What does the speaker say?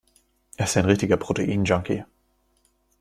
Er ist ein richtiger Protein-Junkie.